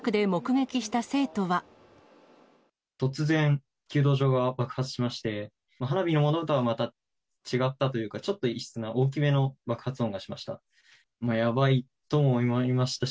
突然、弓道場が爆発しまして、花火のものとはまた違ったというか、ちょっと異質な、大きめの爆発音がしました。